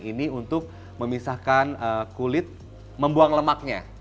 ini untuk memisahkan kulit membuang lemaknya